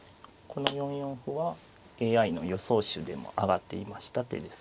この４四歩はＡＩの予想手でも挙がっていました手ですね。